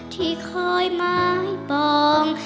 ที่คอยมาให้ปอง